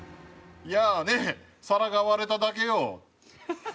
「やね皿がわれただけよ」